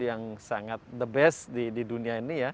yang sangat the best di dunia ini ya